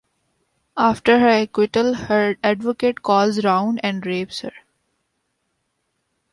After her acquittal, her advocate calls round and rapes her.